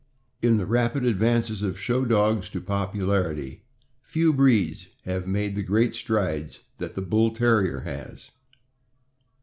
In the rapid advanc.es of show dogs to popularity, few breeds have made the great strides that the Bull Terrier has.